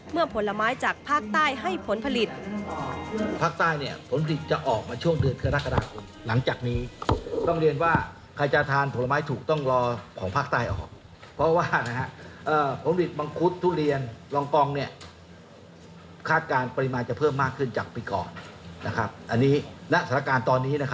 ผลไม้จากภาคใต้ให้ผลผลิต